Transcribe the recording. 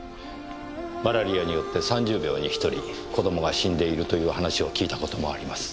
マラリアによって３０秒に１人子供が死んでいるという話を聞いた事もあります。